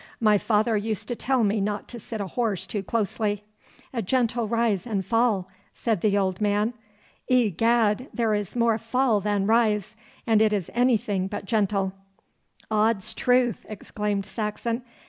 'My father used to tell me not to sit a horse too closely. "A gentle rise and fall," said the old man. Egad, there is more fall than rise, and it is anything but gentle.' 'Odd's truth!' exclaimed Saxon.